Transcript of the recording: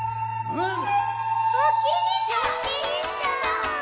うん！